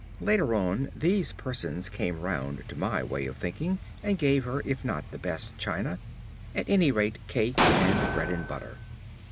Later on, these persons came round to my way of thinking, and gave her, if not the best china, at any rate cake and bread and butter.